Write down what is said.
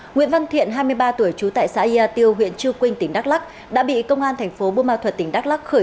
nguyễn văn thiện hai mươi ba tuổi trú tại xã yà tiêu huyện chư quynh tỉnh đắk lắc đã bị công an tp bumma thuật tỉnh đắk lắc khói